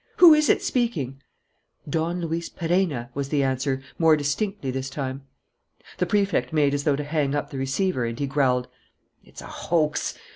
Who is it speaking?" "Don Luis Perenna," was the answer, more distinctly this time. The Prefect made as though to hang up the receiver; and he growled: "It's a hoax.